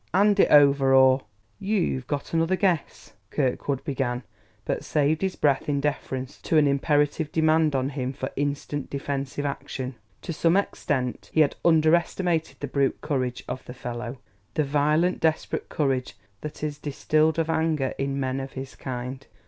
"'And it over or " "You've got another guess " Kirkwood began, but saved his breath in deference to an imperative demand on him for instant defensive action. To some extent he had underestimated the brute courage of the fellow, the violent, desperate courage that is distilled of anger in men of his kind.